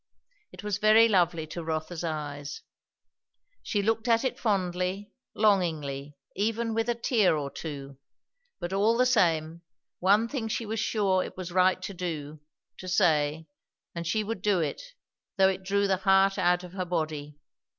It was very lovely to Rotha's eyes. She looked at it fondly, longingly, even with a tear or two; but all the same, one thing she was sure it was right to do, to say; and she would do it, though it drew the heart out of her body.